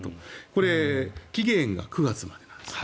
これ、期限が９月までなんです。